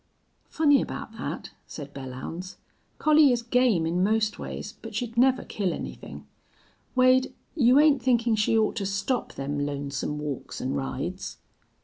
"Funny about thet," said Belllounds. "Collie is game in most ways, but she'd never kill anythin'.... Wade, you ain't thinkin' she ought to stop them lonesome walks an' rides?"